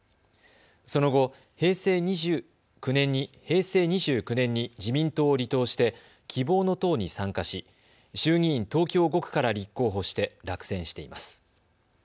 その後、平成２９年に自民党を離党して希望の党に参加し衆議院東京５区から立候補して落選しています。